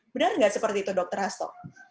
benar nggak seperti itu dokter hasto